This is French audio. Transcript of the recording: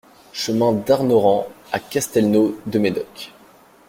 Chemin Darnauran à Castelnau-de-Médoc